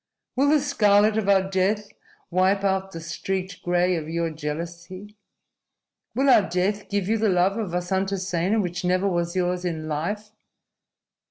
Will the scarlet of our death wipe out the streaked gray of your jealousy? Will our death give you the love of Vasantasena, which never was yours in life?